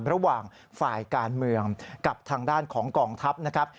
ระหว่างฝ่ายการเมืองกับทางด้านของกองทัพนะครับ